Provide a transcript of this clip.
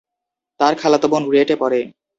তার খালাতো বোন রুয়েটে পড়ে।